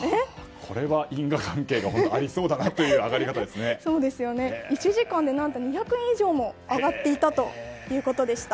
これは因果関係がありそうだなという１時間で２００円以上も上がっていたということでした。